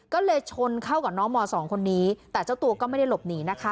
ก็เลยชนเข้ากับน้องม๒คนนี้แต่เจ้าตัวก็ไม่ได้หลบหนีนะคะ